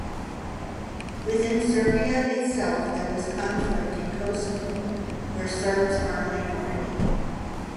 Within Serbia itself there was conflict in Kosovo, where Serbs are a minority.